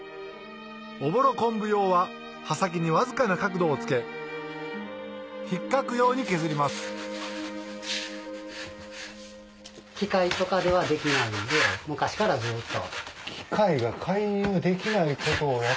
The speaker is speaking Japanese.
おぼろ昆布用は刃先にわずかな角度をつけ引っかくように削ります機械とかではできないんで昔からずっと。